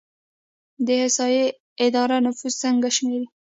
د احصایې اداره نفوس څنګه شمیري؟